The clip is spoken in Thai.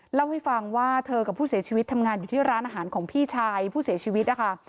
เล่าให้ฟังว่าเธอกับผู้เสียชีวิตทำงานอยู่ที่ร้านอาหารของพี่ชายผู้เสียชีวิตนะคะ